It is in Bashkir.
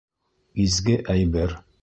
Изге әйбер.